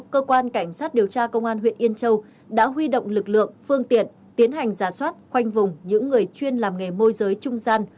cơ quan cảnh sát điều tra công an huyện yên châu đã huy động lực lượng phương tiện tiến hành giả soát khoanh vùng những người chuyên làm nghề môi giới trung gian